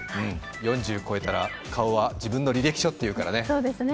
４０超えたら、顔は自分の履歴書っていうからね。